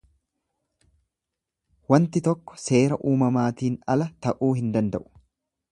Wanti tokko seera uumamaatiin ala ta'uu hin danda'u.